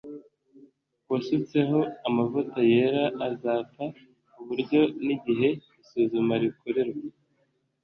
wasutsweho amavuta yera azapfa uburyo n igihe isuzuma rikorerwa